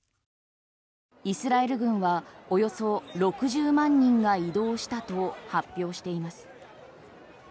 イスラエル軍はおよそ６０万人が移動したと発表しています。